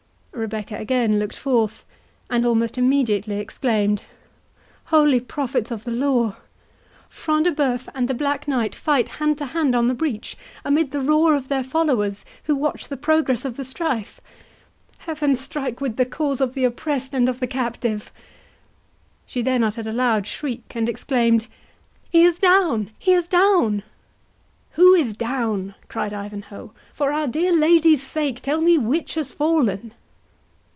Rebecca again looked forth, and almost immediately exclaimed, "Holy prophets of the law! Front de Bœuf and the Black Knight fight hand to hand on the breach, amid the roar of their followers, who watch the progress of the strife—Heaven strike with the cause of the oppressed and of the captive!" She then uttered a loud shriek, and exclaimed, "He is down!—he is down!" "Who is down?" cried Ivanhoe; "for our dear Lady's sake, tell me which has fallen?"